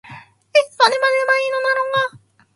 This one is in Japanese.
いつまで待てばいいのだろうか。